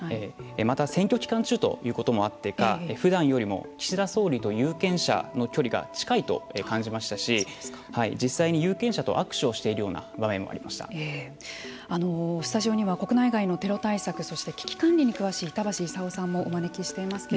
また選挙期間ということもあったかふだんよりも岸田総理と有権者の距離が近いと感じましたし、実際に有権者と握手をしているようなスタジオには国内外のテロ対策そして危機管理に詳しい板橋功さんもお招きしています。